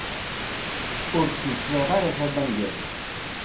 Ur ttmeslayeɣ ara tabengalit.